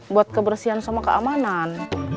buat kebersihan sama keamanan